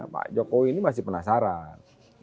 pak jokowi ini masih penasaran